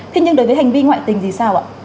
thế nhưng đối với hành vi ngoại tình thì sao ạ